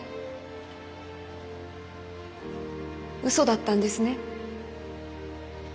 うそだったんですね？